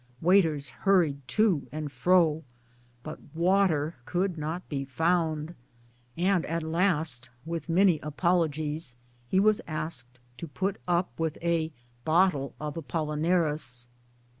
Waiters hurried to and fro, but water could not be found ; and at last, with many apologies, he was asked to put up with a bottle of Apollinaris